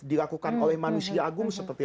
dilakukan oleh manusia agung seperti